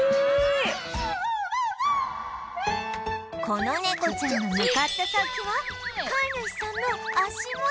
この猫ちゃんが向かった先は飼い主さんの足元